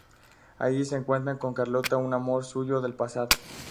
Allí se encuentra con Carlota, un amor suyo del pasado.